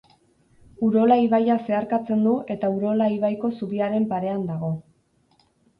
Urola ibaia zeharkatzen du eta Urola ibaiko zubiaren parean dago.